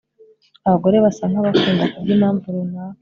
Abagore basa nkabakunda kubwimpamvu runaka